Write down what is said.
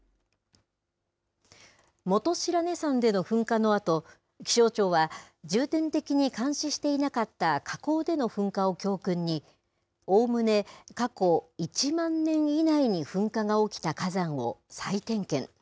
本白根山での噴火のあと、気象庁は、重点的に監視していなかった火口での噴火を教訓に、おおむね過去１万年以内に噴火が起きた火山を再点検。